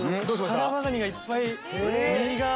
タラバガニがいっぱい。